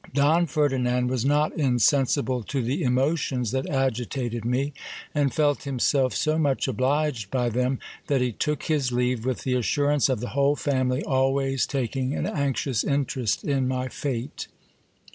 Don Ferdinand was not insensible to the emotions that agitated me, and felt himself so much obliged by them, that he took his leave with the assurance of the whole family always taking an anxious interest in my fate.